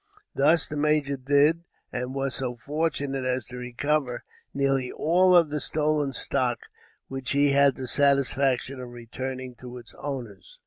This the major did and was so fortunate as to recover nearly all of the stolen stock which he had the satisfaction of returning to its owners.